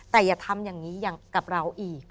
แต่อย่าทำอย่างนี้อย่างกับเราอีก